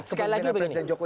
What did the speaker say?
sekali lagi begini